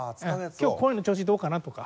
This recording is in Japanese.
「今日声の調子どうかな」とか。